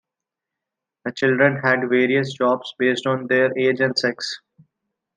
The children had various jobs based upon their age and sex.